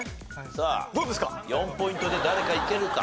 さあ４ポイントで誰かいけるか？